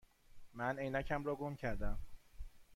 من عینکم را گم کرده ام.